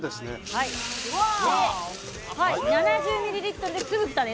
７０ミリリットルです。